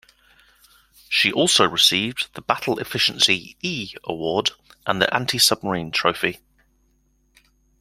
She also received the Battle Efficiency "E" Award and the Anti-Submarine Trophy.